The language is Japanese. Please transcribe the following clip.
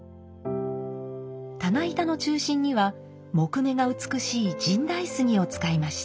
棚板の中心には木目が美しい神代杉を使いました。